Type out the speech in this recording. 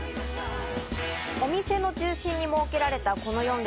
お店の中心に設けられたこの４列。